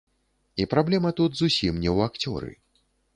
І праблема тут зусім не ў акцёры.